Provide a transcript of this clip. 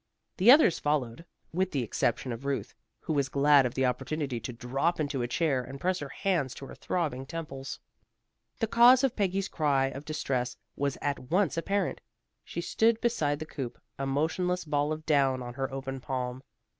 The others followed with the exception of Ruth, who was glad of the opportunity to drop into a chair and press her hands to her throbbing temples. The cause of Peggy's cry of distress was at once apparent. She stood beside the coop, a motionless ball of down on her open palm.